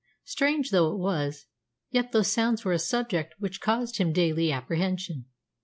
Strange though it was, yet those sounds were a subject which caused him daily apprehension.